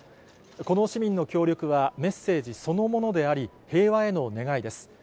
この市民の協力はメッセージそのものであり、平和への願いです。